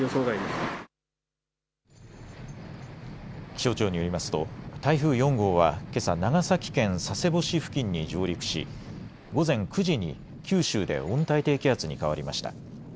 気象庁によりますと台風４号はけさ長崎県佐世保市付近に上陸し午前９時に九州で温帯低気圧に変わりました。